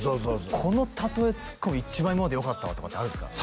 この例えツッコミ一番今まででよかったわとかってあるんですか？